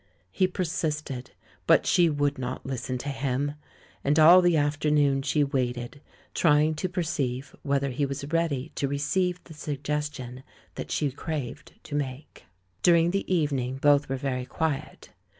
He persisted, but she would not listen to him. And all the afternoon she waited — trying to per ceive whether he was ready to receive the sug gestion that she craved to make. During the evening both were very quiet.